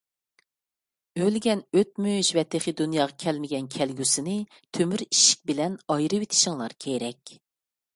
ئۆلگەن ئۆتمۈش ۋە تېخى دۇنياغا كەلمىگەن كەلگۈسىنى تۆمۈر ئىشىك بىلەن ئايرىۋېتىشىڭلار كېرەك.